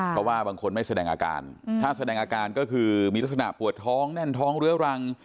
เพราะว่าบางคนไม่แสดงอาการถ้าแสดงอาการก็คือมีลักษณะปวดท้องแน่นท้องเรื้อรัง